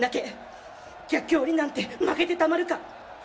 逆境になんて負けてたまるか。